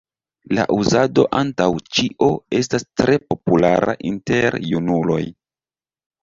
La uzado antaŭ ĉio estas tre populara inter junuloj.